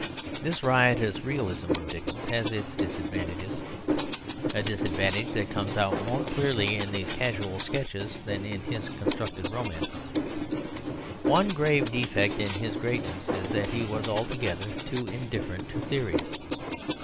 This riotous realism of Dickens has its disadvantage a disadvantage that comes out more clearly in these casual sketches than in his constructed romances. One grave defect in his greatness is that he was altogether too indifferent to theories.